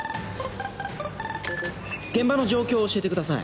現場の状況を教えてください。